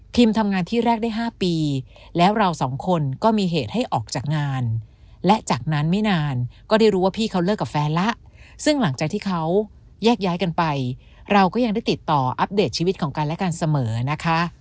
ทำงานที่แรกได้๕ปีแล้วเราสองคนก็มีเหตุให้ออกจากงานและจากนั้นไม่นานก็ได้รู้ว่าพี่เขาเลิกกับแฟนแล้วซึ่งหลังจากที่เขาแยกย้ายกันไปเราก็ยังได้ติดต่ออัปเดตชีวิตของกันและกันเสมอนะคะ